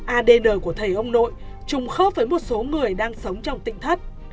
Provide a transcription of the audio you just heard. adn của thầy ông nội trùng khớp với một số người đang sống trong tỉnh thất